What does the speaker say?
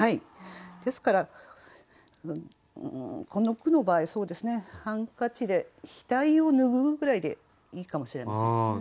ですからこの句の場合「ハンカチで額を拭う」ぐらいでいいかもしれません。